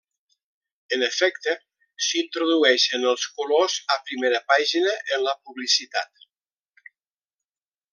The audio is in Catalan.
En efecte, s'introdueixen els colors a primera pàgina i en la publicitat.